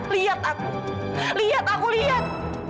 lihat aku lihat aku lihat